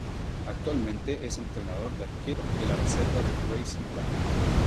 Actualmente es entrenador de Arqueros de la reserva de Racing Club.